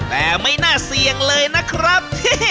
แต่ไม่น่าเสี่ยงเลยนะครับ